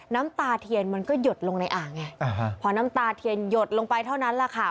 น้ำตาเทียนมันก็หยดลงในอ่างไงพอน้ำตาเทียนหยดลงไปเท่านั้นแหละค่ะ